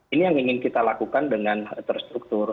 ini yang ingin kita lakukan dengan terstruktur